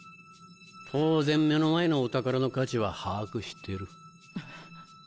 当然目の前のお宝の価値は把握してる。